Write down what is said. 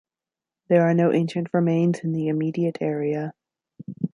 There are no ancient remains in the immediate area.